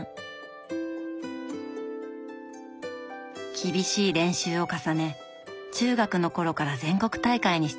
厳しい練習を重ね中学の頃から全国大会に出場。